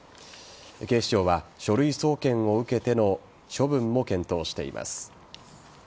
警視庁は書類送検を受けての処分も検討しています。